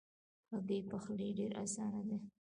هګۍ پخلی ډېر آسانه دی.